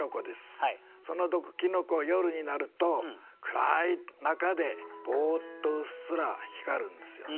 その毒キノコ夜になると暗い中でぼっとうっすら光るんですよね。